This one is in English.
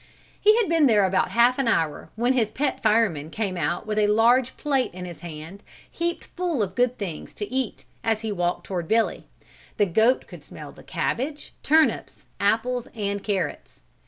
He had been there about half an hour when his pet fireman came out with a large plate in his hand heaped full of good things to eat and as he walked toward Billy, the goat could smell the cabbage, turnips, apples and carrots.